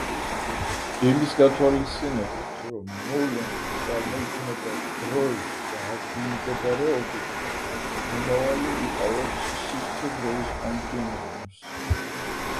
იმის გათვალისწინებით, რომ მოვლენა წარმოიქმნება დროით და ადგილმდებარეობით, მომავალი იკავებს სივრცე-დროის კონტინუუმს.